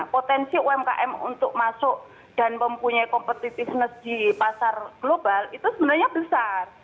potensi umkm untuk masuk dan mempunyai competitiveness di pasar global itu sebenarnya besar